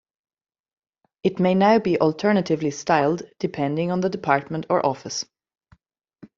It may now be alternatively styled, depending on the department or office.